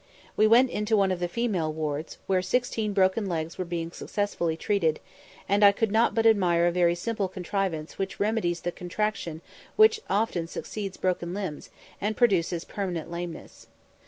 We went into one of the female wards, where sixteen broken legs were being successfully treated, and I could not but admire a very simple contrivance which remedies the contraction which often succeeds broken limbs, and produces permanent lameness.